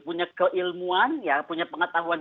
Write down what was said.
punya keilmuan punya pengetahuan